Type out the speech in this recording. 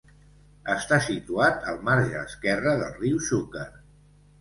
Està situat al marge esquerre del riu Xúquer.